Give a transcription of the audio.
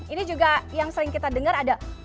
ini juga yang sering kita dengar ada